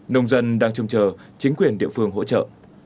nông dân đang trông chờ chính quyền địa phương hỗ trợ